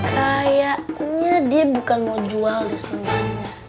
kayaknya dia bukan mau jual di sini